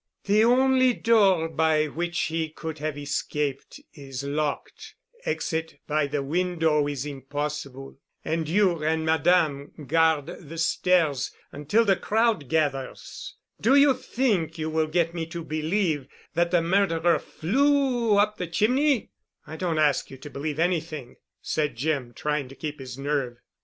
"The only door by which he could have escaped is locked, exit by the window is impossible, and you and Madame guard the stairs until the crowd gathers. Do you think you will get me to believe that the murderer flew up the chimney?" "I don't ask you to believe anything," said Jim, trying to keep his nerve.